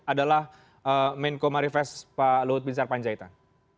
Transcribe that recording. adalah main comarifes pak luhut bin sarpanjaitan